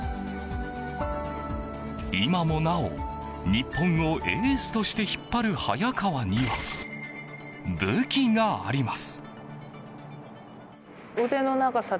今もなお日本をエースとして引っ張る早川には武器があります。